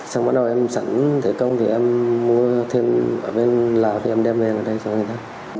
xong bắt đầu em sẵn thử công thì em mua thêm ở bên lào thì em đem về đây cho người ta